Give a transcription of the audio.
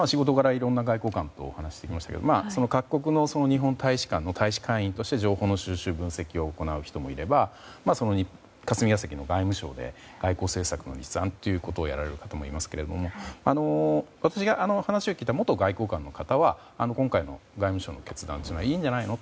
いろんな外交官とお話してきましたけど各国の日本大使館の大使館員として情報の収集・分析を行う人もいれば霞が関の外務省で外交政策の立案をする方もいれば私が話を聞いた元外交官の方は今回の外務省の決断っていいんじゃないの。